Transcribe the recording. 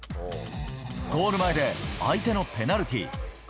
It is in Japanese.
ゴール前で相手のペナルティー。